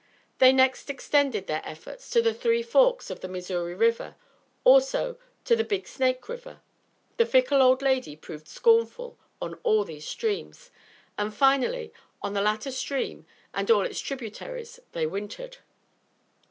They next extended their efforts to the three forks of the Missouri River; also, to the Big Snake River. The fickle old lady proved scornful on all these streams, and finally, on the latter stream and its tributaries they wintered.